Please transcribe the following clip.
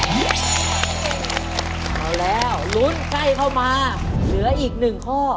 เย้เอาแล้วหลุ้นใครเข้ามาเหลืออีก๑ข้อ